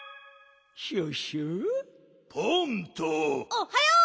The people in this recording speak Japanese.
おっはよう！